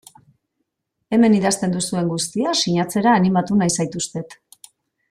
Hemen idazten duzuen guztia sinatzera animatu nahi zaituztet.